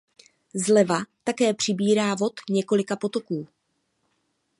Zleva také přibírá vod několika potoků.